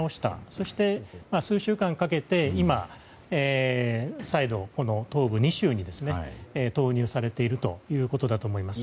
そして、数週間かけて今、再度、東部２州に投入されているということだと思います。